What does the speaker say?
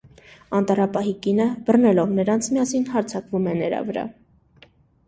Անտառապահի կինը, բռնելով նրանց միասին, հարձակվում է նրա վրա։